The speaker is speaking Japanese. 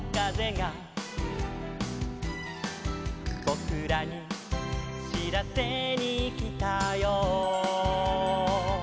「ぼくらにしらせにきたよ」